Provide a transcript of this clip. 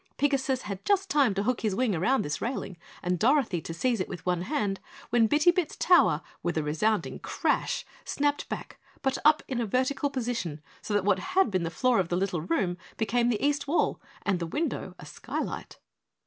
Pigasus had just time to hook his wing around this railing and Dorothy to seize it with one hand, when Bitty Bit's tower with a resounding crash snapped back, but up to a vertical position, so that what had been the floor of the little room became the east wall and the window a skylight.